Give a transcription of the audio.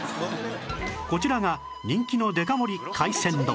こちらが人気のデカ盛り海鮮丼